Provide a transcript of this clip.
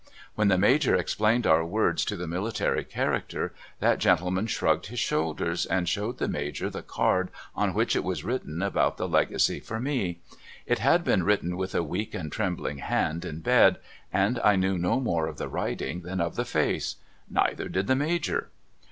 When the Major explained our v. ords to the military character, that gentleman shrugged his shoulders and showed the Major the card on which it was written about the Legacy for me. It had been written with a weak and trembling hand in bed, and I knew no more of the writing than of the face. Neither did the Major.